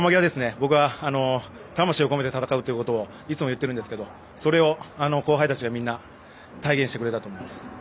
僕は魂を込めて戦うということをいつも言っているんですけどそれを後輩たちがみんな体現してくれたと思います。